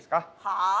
はあ？